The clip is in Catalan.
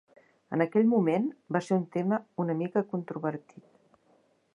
En aquell moment, va ser un tema una mica controvertit.